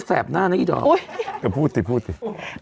สวัสดีครับคุณผู้ชม